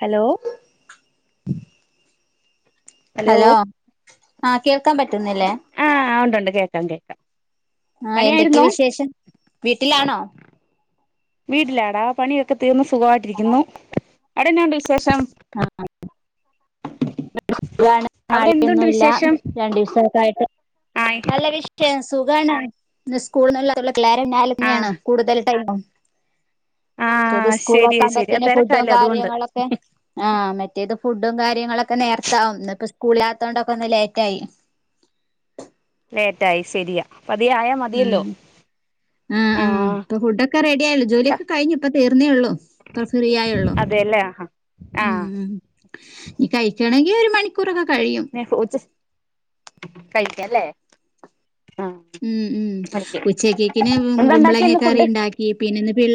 Hello ഉം hello ആഹ് കേക്കാൻ പറ്റുന്നില്ലേ ആഹ് ഉണ്ട് ണ്ട് കേൾക്കാം കേ ആഹ് എന്തൊക്കെ വിശേഷം വീട്ടിലാണോ വീട്ടിലാടാ പണിയൊക്കെ തീർന്ന് സുഖായിട്ടിരിക്കുന്നു അവിടെന്നാ ഉണ്ട് വിശേഷം ആ [unintelligible] അവിടെ എന്തുണ്ട് മഴയൊന്നുല്ല വിശേഷം രണ്ടിസായിട്ട് ആയ് നല്ലവിശേ ക്കെ സുഖാണ് ന്ന് സ്കൂൾന്നല്ലാത്തോ [unintelligible] ആഹ് ലെനേണോ കൂടുതൽ ടൈമും മറ്റത് ആഹ് ശരിയാ ശരിയാ സ്കൂളാക്കാമ്പോത്തിന് ഫുഡും തിരക്കാല്ലേ അതുകൊണ്ട് കാര്യങ്ങളൊക്കെ ആഹ് മറ്റേത് ഫുഡും കാര്യങ്ങളൊക്കെ നേർത്താവും ഇന്നിപ്പ സ്കൂൾല്ലാത്തോണ്ടൊക്കൊന്ന് ലേറ്റായി ലേറ്റായി ശരിയാ പതിയായാ ഉം മതിയല്ലോ ഉം ഉം ആഹ് പ്പൊ ഫുഡ്ക്കെ റെഡി ആയല്ലൊ ജോലിയൊക്കെ കഴിഞ്ഞുപ്പതീർന്നേള്ളൂ [unintelligible] ഫ്രീ ആയുള്ളു അതെല്ലേ ആഹാ ആഹ് ഉം ഇനി കഴിക്കണെങ്കി ഒരു മണിക്കൂറൊക്കെ കഴിയും [unintelligible] കഴിക്കാല്ലേ ഉം ഉം കഴിക്കും ഉച്ചക്കക്കിന് എന്താ ഉണ്ടാക്കിയെ കുമ്പളങ്ങ ഇന്ന് കറി ഫുഡ് ണ്ടാക്കി ക്കി പിന്നെന്ന്പിൽ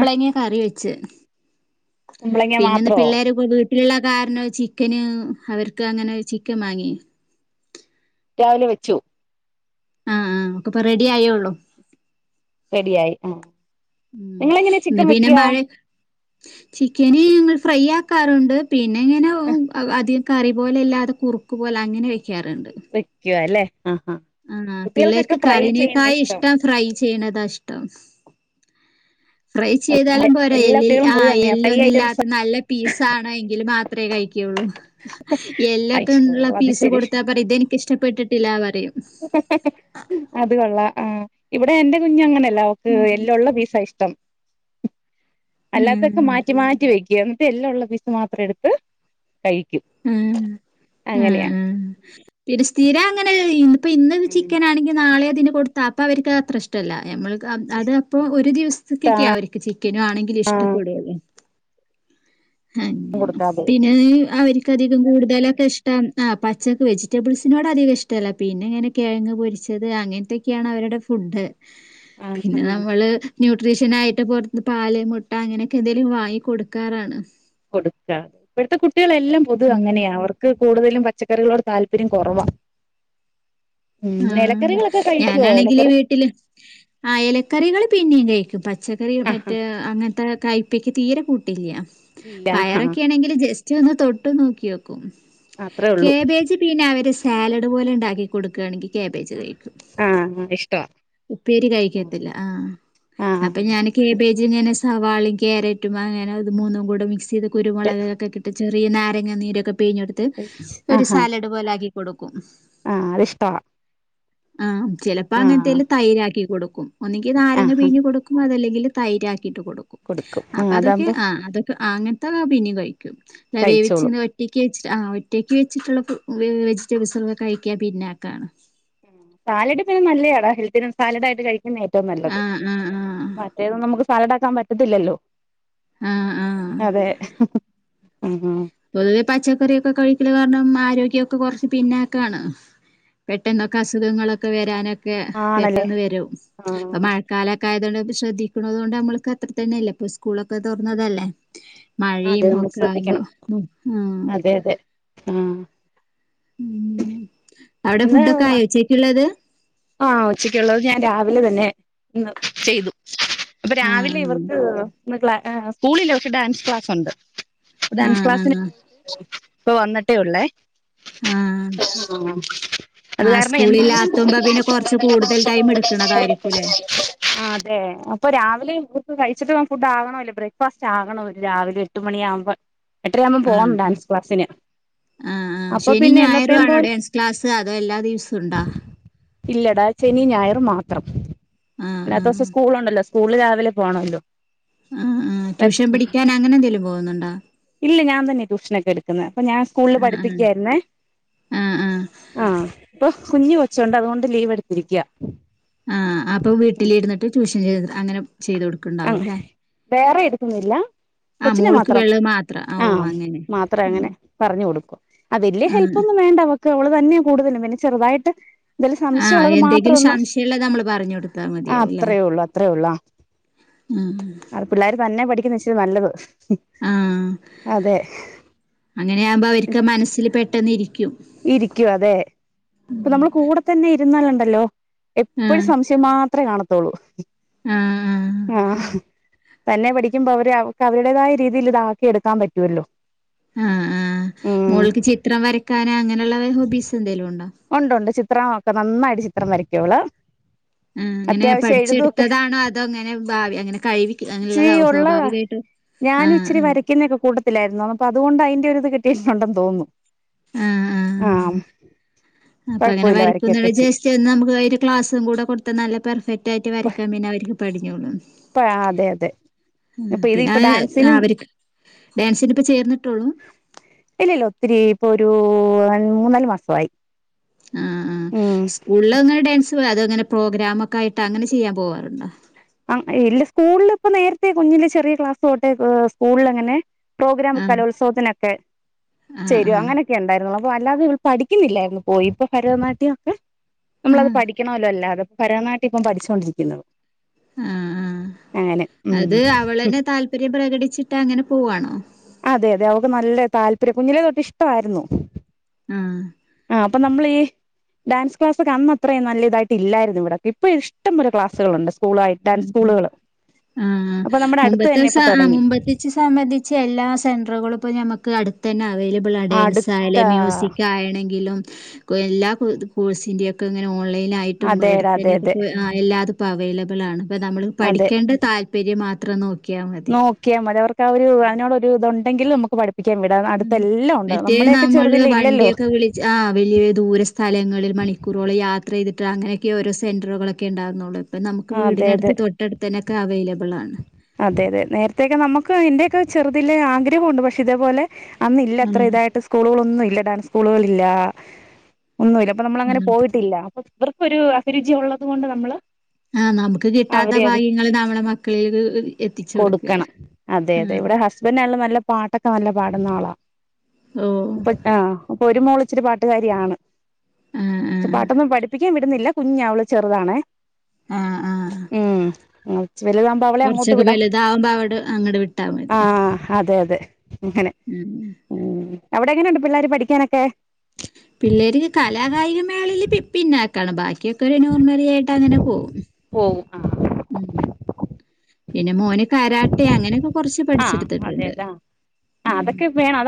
ആഹ് കറി വെച്ച് കുമ്പളങ്ങ പിന്നെന്ന് മാത്രോ പിള്ളേരൊക്കെ വീ ട്ടിലുള്ള കാരണം ചിക്കന് അവർക്ക് അങ്ങനെ ചിക്കൻ വാങ്ങി രാവിലെ വെച്ചു ആഹ് ആഹ് ഒക്കപ്പൊ റെഡി ആയോ ഒള്ളൂ റെഡിയായി ആഹ് ഉം നിങ്ങളെങ്ങനെ ഇന്ന് ചിക്കൻ പിന്നെ വെക്ക്യാ മഴ ചിക്കന് ങ്ങൾ ഫ്രൈ ആക്കാറുണ്ട് പിന്നെ ഇങ്ങനെ അതി കറി പോലല്ലാതെ കുറുക്ക് പോലങ്ങനെ വയ്ക്കാറുണ്ട് വയ്ക്കു അല്ലെ ഉം ആഹ് പിള്ളേർക്ക് കറീനേക്കായി ഇഷ്ടം ഫ്രൈ ചെയ്ണതാഷ്ടം ഫ്രൈ അതെ ചെയ്താലും പോരാ എല്ലാ എല്ലിൽ കുട്ടികളും പോയി ആഹ് അങ്ങനെയാ ഫ്രൈ എല്ലൊന്നും ഐറ്റംസ് ഇല്ലാത്ത നല്ല പീസാണോ എങ്കിലും മാ ത്രേ കഴിക്കുള്ളൂ അയ്ശോ എല്ലൊക്കെള്ള അത് പീസ് ശരി കൊടുത്ത പറിം ഇതെ ഇഷ്ടപ്പെട്ടിട്ടില്ല പറിം [unintelligible] അത് കൊള്ളാം ആഹ് ഇവിടെ എന്റെ കുഞ്ഞങ്ങനല്ല അവക്ക് ഉം എല്ലുള്ള പീസാഷ്ടം അല്ലാത്തൊക്കെ മാറ്റി മാറ്റി വെക്കും ഇതെല്ലുള്ള പീസ് മാത്രം എടുത്ത് കഴിക്കും ഉം ഉ അങ്ങനെയാ ഉം ഇത് സ്ഥിര അങ്ങനെ ചെയ്യ്ന്ന് പ്പം ഇന്ന് ചിക്കനാണെങ്കി നാളെ അതിന് കൊടുത്താ അപ്പോൾ അവർക്ക് അത്ര ഇഷ്ടല്ല ഞമ്മൾ അത് അപ്പോ ഒരു ഇഷ്ടാ ദിവസത്തക്കൊക്കെയ അവർക്ക് ചിക്കനും ആണെങ്കിലും ഇഷ്ടപെടോള്ളൂ അങ്ങന കൊടുക്കാതെ പിന്നെ അവര് അധികം കൂട്തലൊക്കെ ഇഷ്ടം ആ പച്ചക്ക് വെജിറ്റബിൾസിനോട് അധികം ഇഷ്ടല്ല പിന്നെ ഇങ്ങനെ കേങ്ങ് പൊരിച്ചത് അങ്ങനത്തൊക്കെയാണ് അവരുടെ ഫുഡ് ആ ആ പിന്നാ നമ്മള് ന്യൂട്രീഷനായിട്ട് പുറത്ത് പാല് മുട്ട അങ്ങനെയൊക്കെ എന്തെങ്കിലും വാങ്ങി കൊടുക്കാറാണ് കൊടുക്കാ ഇപ്പത്തെ കുട്ടികളെല്ലാം പൊതു ഉം. അങ്ങനെയ അവർക്ക് കൂടുതലും പച്ചക്കറികളോട് താല്പര്യം കൊറവാ ആഹ് ഇലക്കറികളൊക്കെ കഴിക്കുവോ ഞാനാണെങ്കില് ഇലക്കറി വീട്ടില് ആഹ്, എലക്കറികൾ പിന്നെയും കഴിക്കും പച്ചക്കറി ആ ആ മറ്റേ അങ്ങനത്തെ കയ് ഉപ്പക്ക് തീരെ കൂട്ടില്ല ഇല്ല ആ പയറൊക്കൊയാണെങ്കിൽ ജസ്റ്റ് ഒന്ന് തൊട്ട് നോക്യോക്കും അത്രേ ഉള്ളൂ കേബേജ് പിന്നെ അവര് സാലഡ് പോലെ ഉണ്ടാക്കി കൊടുക്കണെങ്കിൽ കേബേജ് കഴിക്കും ആ ഇഷ്ടവാ ഉപ്പേരി കഴിക്കത്തില്ല ആഹ് ആഹ് ആഹ് അപ്പൊ ഞാൻ കേബേജ് ഇങ്ങനെ സവാളും കാരറ്റും അങ്ങനെ അത് മൂന്നും കൂടെ മിക്സ് ചെയ്ത് ആ കുരുമുളകൊക്കെ കി ചെറിയ നാരങ്ങ നീരൊക്കെ പീഴ്ഞ്ഞെടുത്ത് ഒരു ആഹാ സാലഡ് പോലെ ആക്കി കൊടുക്കും ആഹ് അത്ഷ്ട ആഹ് ചിലപ്പോ അങ്ങനത്തെല് തൈരാക്കി കൊടുക്കും ഒന്നുങ്കിൽ നാരങ്ങ ആഹ് പീഴ്ഞ്ഞ് കൊടുക്കും അതല്ലെങ്കിൽ തൈരാക്കിട്ട് കൊടുക്കും അപ്പ അതൊക്കെ ആ അതൊക്കെ അങ്ങ തൊക്ക പിന്നെയും കഴിക്കും നല്ല വേവിച്ചി കഴിച്ചോളും കിട്ക്കേറ്റ് സ് ആ ഒറ്റയ്ക്ക് വെച്ചിട്ടുള്ള വെജിറ്റബിൾസൊക്കെ കഴിക്കാൻ പിന്നോക്കാണ് സാലഡ് പിന്നെ നല്ല യാടാ ഹെൽത്തി സാലഡയിട്ട് കഴിക്ക ഏറ്റവും നല്ലത് ആഹ് ആഹ് ആഹ് മറ്റേതും നമുക്ക് സാലഡ് ആക്കാൻ പറ്റത്തില്ലല്ലോ ആഹ് ആഹ് അതെ ഉം പൊതുവെ പച്ചക്കറിയൊക്കെ കഴിക്കല് കാരണം ആരോഗ്യക്കെ കൊറച്ച് പിന്നോക്കാണ് പെട്ടെന്നൊക്കെ അസുഖങ്ങളൊക്കെ വരാനൊക്കെ ആണല്ലേ പെട്ടെന്ന് വരും ഇപ്പൊ ആഹ് മഴക്കാലൊക്ക ആയതൊണ്ട് ഇപ്പ ശ്രദ്ധിക്കണതുകൊണ്ട് നമ്മക്ക് അത്ര തന്നെ അല്ലെ ഇപ്പൊ സ്കൂളൊക്കെ തൊറന്നതല്ലേ, അതെ മഴയും നമ്മൾ ഒക്കാവ് പോ ശ്രദ്ധിക്കണം ആഹ് അതെ അതെ ആഹ്, ഉം അവിടെ ഇന്ന് ഫുഡ് ഒക്കെ ആയോച്ചക്കുള്ളത്? ആഹ് ഉച്ചക്കുള്ളത് ഞാൻ രാവിലെ തന്നെ ഇന്ന് ചെയ്തു അപ്പൊ ആഹ രാവിലെ ഇവർക്ക് ന്ന് സ്കൂളിൽ ഇവർക്ക് ഡാൻസ് ക്ലാസ്ണ്ട് ഡാൻസ് ആഹ ക്ലാസ്സിന് ആഹ ഇപ്പൊ വന്നിട്ടേ ഉള്ളേ ആഹ അത് ആ കാരണം എന്നും സ്കൂളില്ലാത്തുമ്പോ പിന്നെ കുറച്ച് കൂടുതൽ ടൈം എടുക്കണതായിരിക്കുംല്ലേ ആഹ് അതെ അപ്പൊ രാവിലെയും ക്കെ കഴിച്ചിട്ട് ഫുഡ് ആകണോ അല്ലേ ബ്രേക്ക്ഫാസ്റ്റ് ആകണോ രാവിലെ, എട്ട്മണിയാകുമ്പോ എട്ടരയാവുമ്പം ആഹ പോകണം ഡാൻസ് ക്ലാസ്സിന് ആഹ് ആഹ് അപ്പൊ ശനി പിന്നെ ഞായറും എന്നതേം ആണോ പോലെ ഡാൻസ് ക്ലാസ് അത് എല്ലാ ദിവസവും ഉണ്ടോ? ഇല്ലടാ ശെനി ഞായർ മാത്രം ആഹ് ഇന്നത്തെ ദിവസം ആഹ് സ്കൂളുണ്ടല്ലോ സ്കൂള രാവിലെ പോകണല്ലോ ആഹ് ആ ട്യൂഷൻ പഠിക്കാൻ അങ്ങനെ എന്തെങ്കിലും പോകുന്നുണ്ടോ? ഇല്ല ഞാൻ തന്നെ ട്യൂഷനൊക്കെ എടുക്കുന്നെ അപ്പൊ ഞാൻ സ്കൂളിൽ ആഹ് ആഹ് പഠിപ്പിക്കായിരുന്നേ ആഹ് ആഹ് ആഹ് ഇപ്പൊ കുഞ്ഞ് കൊച്ചോണ്ട് അതുകൊണ്ട് ലീവ് എടുത്തിരിക്കയാ ആഹ് അപ്പൊ വീട്ടിൽ ഇരുന്നിട്ട് ട്യുഷൻ ചെയ് അങ്ങനെ ചെയ്തു കൊടുക്കും ആഹ് വേറെ എടുക്കൊന്നില്ല ആഹ് കൊച്ചിനെ മോൾക്ക് മാത്രം വെള്ള മാത്രം ആ, ഓ ആഹ് അങ്ങനെ മാത്രങ്ങനെ പറഞ്ഞുകൊടുക്കും അത് വല്ല്യ ആഹ് ഹെല്പ്പൊന്നും വേണ്ട അവക്ക് അവള് തന്നെയാ കൂടുതലും പിന്നെ ചെറുതായിട്ട് എന്തേലും സംശയം ആഹ് ഉള്ളത് എന്തെങ്കിലും മാത്രന്ന് സംശയള്ളത് നമ്മള് പറഞ്ഞു കൊടുത്താൽ ആ മതിയാവുംല്ലേ അത്രയേ ഉള്ളു അത്രയേ ഉള്ളു ആഹ് ഉം അ പിള്ളേര് തന്നെ പഠിക്കുന്ന ഇച്ചിരി നല്ലത് അതെ അങ്ങനെയകുമ്പോ അവർക്ക് മനസ്സില് പെട്ടെന്ന് ഇരിക്കും ഇരിക്കും അതെ ഇപ്പൊനമ്മള് കൂടെ തന്നെ ഇരുന്നാലുണ്ടല്ലോ എപ്പോഴും ആഹ് സംശയാ മാത്രേ കാണത്തുള്ളൂ ആഹ് ആഹ് ആഹ തന്നെ പഠിക്കുമ്പോ അവര് അവർക്ക് അവരുടേതായ രീതിയിൽ ഇതാക്കി എടുക്കാൻ പറ്റുവല്ലോ ആഹ് ആഹ് മോൾക്ക് ചിത്രം വരയ്ക്കാനോ അങ്ങനെയുള്ള ഹോബീസ് എന്തെലും ഉണ്ടോ ഉണ്ട്ണ്ട് ചിത്രമൊക്കെ നന്നായിട്ട് ചിത്രം വരക്കുള് ആ അങ്ങനെ പഠിച്ചെടുത്തതാണോ അതോ അങ്ങനെ ഭാവി അങ്ങനെ കഴി അങ്ങനെുള്ളതാ സ്വാഭാവികമായിട്ട് ഞാനെച്ചരി വരയ്ക്കും [unintelligible] യിരുന്നു പ്പോഅതുകൊണ്ട് അതിന്റെ ഒരു ഇത് കിട്ടിയിട്ടുണ്ടെന്ന് തോന്നുന്നു ആഹ് ആഹ് ആ അപ്പൊ അങ്ങനെ വരക്കുന്ന ജസ്റ്റ് നമുക്ക് ഒരു ക്ലാസ്സും കൂടെ കൊടുത്തൽ നല്ല പെർഫെക്റ്റ് ആയിട്ട് വരക്കൻേന്നെ അവർക്ക് പഠഞ്ഞോളു ഇപ്പ അതെ അതെ ഉഹ് ഇപ്പൊ ഇത് പിന്നെ ഇപ്പൊ ഡാൻസിനും അവരിക്ക് ഡാൻസിന് ഇപ്പ ചേർന്നിട്ടോളൂ ഇല്ല ഇല്ല ഒത്തിരി ഇപ്പൊ ഒരു മൂന്നാല് മാസയി ആഹ് ആഹ് സ്കൂളില് അങ്ങനെ ഡാൻസ് അതോങ്ങനെ പ്രോഗ്രാമൊക്കെ ആയിട്ട് അങ്ങനെ ചെയ്യാൻ പോവാറുണ്ടോ ആ ഇല്ല സ്കൂളിൽ ഇപ്പ നേരത്തെ കുഞ്ഞിലെ ചെറിയ ക്ലാസ് തോട്ടെ സ്കൂളിൽ അങ്ങനെ പ്രോഗ്രാം ആഹ് കലോത്സവത്തിനൊക്കെ ആഹ് ചേരും ആഹ് അങ്ങനെയൊക്കെ ഉണ്ടായിരുന്നോളു അല്ലാതെ ഇവൾ പഠിക്കുന്നില്ലായിരുന്നു പോയി ഇപ്പൊ ഭരതനാട്യം ഒക്കെ നമ്മളത് ആഹ് പഠിക്കണമല്ലോ അല്ലാതെ ഭരതനാട്യം ഇപ്പൊ പഠിച്ചോണ്ടിരിക്കുന്ന് ആഹ ആഹ് ഉം അത് അവളന്നെ താല്പര്യം പ്രകടിച്ചിട്ട് അങ്ങനെ പോവാണോ? അതെഅതെ അവക്ക് നല്ല താല്പര്യം കുഞ്ഞിലെ തൊട്ട് ഇഷ്ടരുന്നു ആ അപ്പൊ നമ്മളീ ഡാൻസ് ക്ലാസക്കൊ അന്നത്രയും നല്ലതായിട്ട് ഇല്ലായിരുന്നു ഇവിടക്ക ഇപ്പ ഇഷ്ടംപോലെ ക്ലാസുകളുണ്ട് സ്കൂളയിട്ട് ഡാൻസ് ആഹ് സ്കൂളുകള് അപ്പൊ നമ്മുടെ അടുത്ത് തന്നെ ഇപ്പൊ തുടങ്ങി കുച്ച് സംബന്ധിച്ച് എല്ലാ സെൻറുകളും ഇപ്പോൾ നമുക്ക് അടുത്ത് തന്നെ അവൈലബിൾ അടുത്ത ഡാൻസയാലും മ്യൂസിക് ആയണെങ്കിലും എല്ലാ കോഴ്സിൻ്റെക്കെ ഇങ്ങനെ ഓൺലൈൻ ആയിട്ടും ഇടുത്ത അതെടാ അതെ അതെ തന്നെയൊക്കെ ആ എല്ലാത ഇപ്പോ അവൈലബിൾ ആണ് ഇപ്പ നമ്മള് പഠിക്കേണ്ട താല്പര്യം മാത്രം നോക്കി നോക്കിയാമതി അവർക്ക് ആ ഒരു അതിനോടൊരു ഇതു ഉണ്ടെങ്കിൽ നമുക്ക് പഠിപ്പിക്കാം പിക്കാൻ വിടാ ഉം അടുത്തെ എല്ലാം ഉണ്ട് നമ്മുടെയൊക്കെചെറുതിൽ ഇല്ലല്ലോ ആ വലിയ ദൂര സ്ഥലങ്ങളിൽ മണിക്കൂറോളം യാത്ര ചെയ്തിട്ടാ അങ്ങനെയൊക്കെ ഓരോ സെൻ്ററുകളൊക്കെ ഉണ്ടാരുന്നുള്ളൂ ഇപ്പം നമുക്ക് ആ അതെ വീടിനടുത്ത് അതെ തൊട്ടടുത്തന്നൊക്കെ അവൈലബിൾ ആണ് അതെ അതെ നേരത്തേക്കെ നമുക്ക് എന്റെയൊക്കെ ചെറുതിലെ ആഗ്രഹമുണ്ട് പക്ഷ ഇതേപോലെ അന്ന് ഇല്ല ഉം ഇത്രഇതായിട്ട് സ്കൂളുകളൊന്നുല്ല ഡാൻസ് സ്കൂളുകളില്ല ഒന്നുല്ല അപ്പൊ നമ്മളങ്ങനെ ഉം പോയിട്ടില്ല അപ്പൊ ഇവർക്കൊരു അഭിരുചി ഉള്ളത് കൊണ്ട് നമ്മള് ആഹ് നമുക്ക് കിട്ടാത്ത അവരെ അത് ഭാഗ്യങ്ങൾ നമ്മടെ മക്കളിൽ കൊടുക്കണം അതെ അതെ ഇവിടെ ഹസ്ബൻഡല്ലാം നല്ല പാട്ടൊക്കെ നല്ല പാടുന്ന ആളാ ഓഹ്ഹ് ആഹ് അപ്പൊ ഒരു മോളിച്ചിരി പാട്ടുകാരിയാണ് ആഹ് പക്ഷ ആഹ് പാട്ടൊന്നും പഠിപ്പിക്കാൻ വിടുന്നില്ല കുഞാ അവള് ചെറുതാണെ ആഹ് ആഹ് ഉഹ്ഹ് വലുതമ്പോ അപ്പോ അവളെ അങ്ങോട്ട് കൊറച്ചൊക്കെ വിടാം വലുതാവുമ്പോ അവിടെ അങ്ങട് വിട്ടാ മതി ആഹ്ഹ് അതെ അതെ അങ്ങനെ ഉം എവിടെങ്ങനെയുണ്ട് പിള്ളോര് പഠിക്കാനൊക്കെ പിള്ളേര് കലാകായികമേളയില് പി പിന്നേക്കാണ് ബാക്കിയൊക്കെ ഒരു നോർമലി ആയിട്ട് അങ്ങനെ പോകും പോവും ആ ഉം പിന്നെ മോന് കാരാട്ടെ അങ്ങനെയൊക്കെ കുറച്ച് ആ പഠിച്ചെടുത്തിട്ടുണ്ട്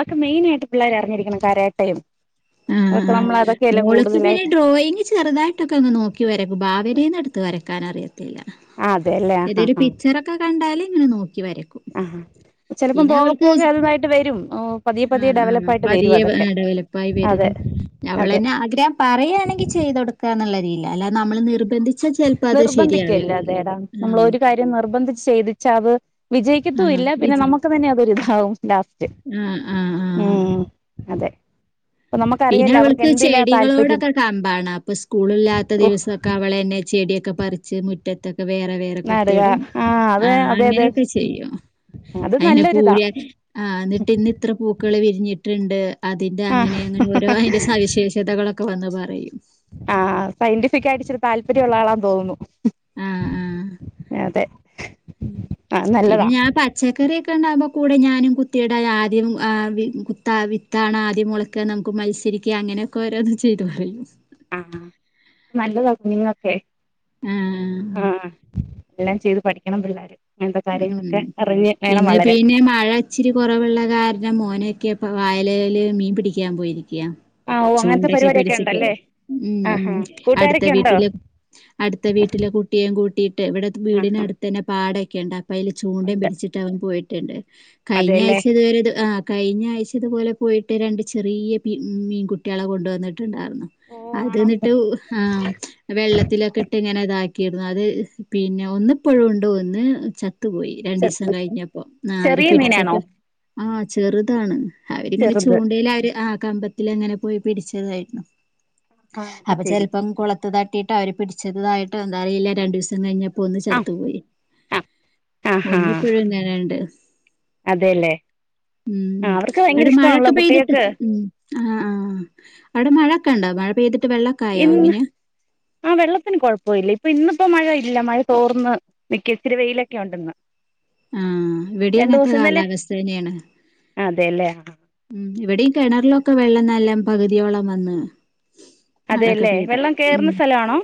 ക്കെ മെയിനായിട്ട് പിള്ളേർ അറിഞ്ഞിരിക്കണം കരാട്ടയും ആഹ് ആഹ് അതൊക്കെ ആഹ് നമ്മൾ അതൊക്കെയല്ലേ മോള്ക്ക് പിന്നെ കൂടുതലായിട്ട് ഡ്രോയിങ് ചെറുതായിട്ടൊക്കെഒന്ന് നോക്കി വരക്കും ഭാവനെന്ന് എടുത്ത് വരക്കാൻ ആറി ഇല്ല ആ അതെല്ലേ ആ ഏതെലു ആ പിക്ചറൊക്കെ കണ്ടാലേ ഇങ്ങനെ നോക്കി വരക്കും ആഹാ പിന്നെ അവൾക്ക് പതിയെ പതിയെ ആഹ് ആഹ് ഡെവലപ്പായിട്ട് വരും പതിയെ അതൊക്കെ വെഇടവലിപ്പം ആയി അതെ വെരും അതെ അവളെന്നെ ആഗ്രഹം പറയുകയാണെങ്കി ചെയ്ത് കൊടുക്കാന്ന്ള്ള രീതിലാ അല്ലാതെ നമ്മൾ നിർബന്ധി ച്ച ചിലപ്പോ അത് ശരിയാവരത്തില്ലേ ആഹ് അധികം നിർബന്ധിച്ച് ചെയ്തിച്ചാ അത് ആഹ് വിജയിക്കത്തുഇല്ല പിന്നെ വിജി നമുക്ക് തന്നെ അതൊരിതാവും ലാസ്റ്റ് ആഹ് ആഹ് ആഹ് ഉം അതെ അപ്പൊ പിന്നെ നമുക്കറിയാലോ അവർക്ക് അവൾക്ക് എന്തിലാ താല്പര്യം ചെടികളോടൊക്കെ കമ്പാണ് അപ്പൊ സ്കൂളി ഇല്ലാത്ത ഓ ദിവസഓക്കെ അവളന്നെ ചെടിയൊക്കെ പറി ച്ച് മുറ്റത്തൊക്കെ വേറെ വേറെ നാടുക കുത്തിയിടും അത് ആഹ് അതെ അതെ അങ്ങനെയൊക്കെ ചെയ്യും അത് അയിന് നല്ലൊരിതാ പൂയിയാണ് ആന്നിട്ട് എന്നി എത്ര പൂക്കൾ വിരിഞ്ഞിട്ട്ണ്ട് അതിന്റെ ആഹ് അങ്ങനെങ്ങനെ ഓരോ അയിന്റെ സവിശേഷതകളൊക്കെ വന്ന് പറയും ആ സയന്റിഫിക്കയിട്ട് ഇച്ചിരി താല്പര്യം ഉള്ള ആളാന്ന് തോന്നു ആഹ് ആഹ് ആഹ് പിന്നെ നല്ലതാ ഞാൻ പ ചക്കറി ഒക്കെ ഉണ്ടാകുമ്പോ കൂടെ ഞാനും കുത്തിയിട ആദ്യം ആ വി കുത്ത വിത്താണ് ആദ്യം മുള ഒക്കെ നമുക്ക് മത്സരിക്ക അങ്ങനെക്കൊരോന്ന് ചെയ്ത് പറയും ആഹ നല്ലതകുഞ്ഞുങ്ങക്കെ ആഹ് എല്ലാം ചെയ്ത് പഠിക്കണം പിള്ളേര് അങ്ങനത്തെ ഉം കാര്യങ്ങളൊക്കെ അറിഞ്ഞ് വേണം ഇന്ന് വളരാൻ പിന്നെ മഴ ഇച്ചിരി കുറവിള്ള കാരണം മോനൊക്കെ ഇപ്പ വായലല് മീൻ പിടിക്കാൻ പോയിരിക്യാ ആഹ് ഓ അങ്ങനത്തെ ചൂണ്ടൊക്കെ പരിപാടിയൊക്കെ പിടിച്ചിട്ട് ഉണ്ടല്ലേ ഉം ആഹ് ഉം ആഹ് അടുത്ത കൂട്ടുകാരൊക്കെ ഉണ്ടോ വീട്ടില അടുത്ത വീട്ടിലെ കു കുട്ടിയെം കൂട്ടിട്ട് ഇവിടത്തെ ആഹ് വീടിനടുത്ത് തന്നെ പടൊക്കെഉണ്ട് അപ്പോ അയിൽ ചൂണ്ടയും ഉണ്ട് പിടിച്ചി ട്ടവൻ പോയിട്ടുണ്ട് കഴിഞ്ഞ അതെല്ലേ ആഴ്ച ഇതുവരെത് ആഹ് കഴിഞ്ഞഴ്ചതെ പോലെ പോയിട്ട് രണ്ട് ചെറിയ പി മീൻകുട്ടിയാളെ കൊണ്ട് വന്നിട്ടുണ്ടാരുന്നു ഓ ആണോ അതന്നിട്ടു ഉ ഹം വെള്ളത്തിലൊക്കെ ഇട്ട് ഇങ്ങനെ ഇതാക്കിരുന്നു അത് പിന്നെ ഒന്നി പുഴു ഉണ്ട് ഒന്ന് ചത്തുപോയി രണ്ടീസം ചെറു കഴിഞ്ഞപ്പ ന്ന അവര് ചെറിയ മീനാണോ പിടിച്ചപ്പം ആ ചെറുതാണ് അവരിങ്ങനെ ചെറുത് ചൂണ്ടല് അവര് ആ കമ്പത്തില് അങ്ങനെ പോയി പിടിച്ചതായിരുന്നു ആഹ് അത് അപ്പൊ ശരി ചെലപ്പം കുളത്ത് തട്ടിട്ട അവര് പിടിച്ചതായിട്ട് എന്താ അറിയില്ല രണ്ടു ദിവസം കഴിഞ്ഞ ആപ്പൊ ഒന്ന് ആഹ് ചത്തു പോയി ആഹ് ആഹാ ഒന്നിപ്പഴും ഇങ്ങനണ്ട് അതെല്ലേ ഉം ആഹ് അവർക്ക് അവിടെ ഭയങ്കര മഴൊക്കെ ഇഷ്ടമാണല്ലോ പെയ്തിട്ട് കുട്ടികൾക്ക് ഉം ആഹ് ആഹ് അവിടെ മഴൊക്കെ ഉണ്ടോ മഴ പെയ്തിട്ട് വെള്ളൊക്കായോ എങ്ങനെയാ ആ വെള്ളത്തിന് കുഴപ്പ ഇല്ല ഇപ്പ ഇന്നിപ്പോ മഴ ഇല്ല മഴ തോർന്ന് ന്നിക്ക ഇത്തിരി വെയിലൊക്കെ ഒണ്ട് ഇന്ന് ആഹ് ഇവിടെ അങ്ങനത്തെ കാലാവസ്ഥ തന്നെയാണ് അതെല്ലേ ഉം ഇവിടെയും കിണറിലൊക്കെ വെള്ളം നല്ലാം പകുതിയോളം വന്ന് മഴൊക്കെ അതെല്ലേ പെയ്തു വെള്ളം ഉം കേറുന്ന സ്ഥലമാണോ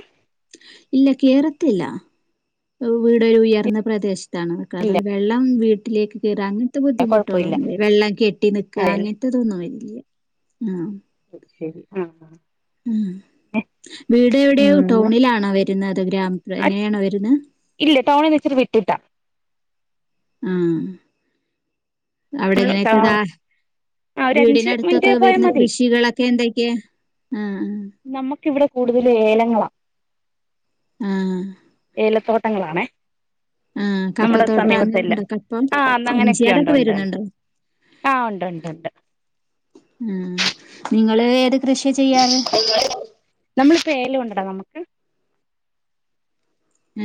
ഇല്ല കേറത്തില്ല വീടൊരു ഉയർന്ന പ്രദേശത്താണ് അക്ക ഇല്ല അതുകൊണ്ട് വെള്ളം വീട്ടിലേക്ക് കെറാൻ ഇങ്ങതെ കുഴപ്പമില്ല ബുദ്ധിമുട്ടുകളൊന്നുല്ല വെള്ളം കെട്ടി നിക്ക അതെല്ലേ അങ്ങനത്തെതൊന്നും വരില്ല ആഹ് അതു ശരി ആഹ് ആഹ് ഉം വീട് എവിടെയോ ഉം ടൗണിലാണോ വരുന്നത്ത് ഗ്രാമംപ്രെ എങ്ങനെയാണോ വരുന്നെ ഇല്ല ടൌണിന്ന് ഇച്ചിരി വിട്ടിട്ടാ ആഹ് അവിടെങ്ങനഓക്കെ ഇതാ ആഹ് ഒരു അഞ്ച് മിനിറ്റ് വീടിനടുത്തൊക്കെ പോയാൽ വരുന്ന മതി കൃഷികളൊ ക്കെ എന്തൊക്കെയ ആഹ് അഹ് നമക്കിവിടെ കൂടുതൽ ഏലങ്ങളാ ആഹ് ഏലത്തോട്ടങ്ങളാണേ ആഹ് നമ്മുടെ കപ്പത്തോട്ടം സമീപത്തെല്ല അങ്ങനെയുണ്ടോ കപ്പ ആഹ ന്ന ഇഞ്ചി അങ്ങനെയൊക്കെയ ഉണ്ട് അതൊക്കെ ഉണ്ട്ണ്ട്. വരുന്നുണ്ടോ ആഹ് ഉണ്ട് ഉണ്ട് ഉണ്ട് ഉം നിങ്ങള് ഏ നമ്മളിപ്പോ ഏല കൊണ്ടടാ നമുക്ക്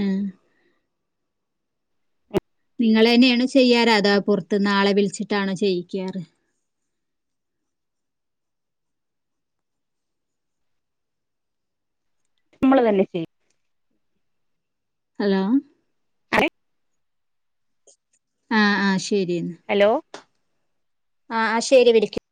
ഉം ങ്ങള്ന്നെയാണ് ചെയ്യാറ് അതാ പുറത്ത് ആളെ വിളിച്ചിട്ടാണോ ചെയ്യിക്കാറ്. നമ്മള് തന്നെ ചെയ്യും. ഹലോ ആരെ ആ ആ ശരി ഹലോ ആ ശരി വിളിക്കും